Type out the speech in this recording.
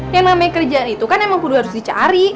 yang namanya kerjaan itu kan emang perlu harus dicari